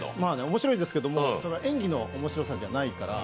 面白いですけど演技の面白さじゃないから。